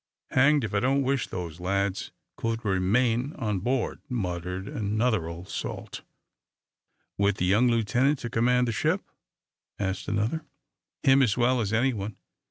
"Hanged, if I don't wish them lads could remain on board!" muttered another old salt. "With the young lieutenant to command the ship?" asked another. "Him as well as anyone.